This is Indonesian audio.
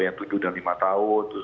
yang tujuh dan lima tahun